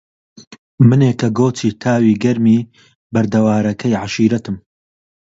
منێ کە گۆچی تاوی گەرمی بەردەوارەکەی عەشیرەتم